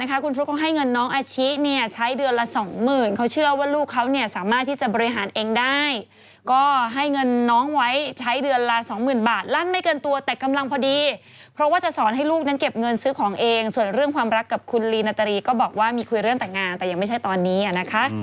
แต่โกหกคุณฟลุ๊กได้นิดนึงมีอะไรเนี่ยแต่โกหกคุณฟลุ๊กได้นิดนึงมีอะไรเนี่ยแต่โกหกคุณฟลุ๊กได้นิดนึงมีอะไรเนี่ยแต่โกหกคุณฟลุ๊กได้นิดนึงมีอะไรเนี่ยแต่โกหกคุณฟลุ๊กได้นิดนึงมีอะไรเนี่ยแต่โกหกคุณฟลุ๊กได้นิดนึงมีอะไรเนี่ยแต่โกหกคุณฟลุ๊กได้นิดนึ